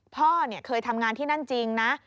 พ่อเคยทำงานที่นั่นจริงนะ